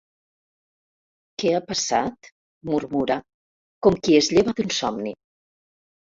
Què ha passat? —murmura, com qui es lleva d'un somni.